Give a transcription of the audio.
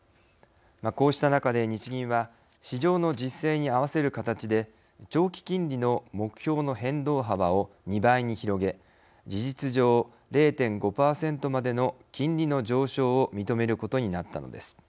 こうした中で日銀は市場の実勢に合わせる形で長期金利の目標の変動幅を２倍に広げ事実上、０．５％までの金利の上昇を認めることになったのです。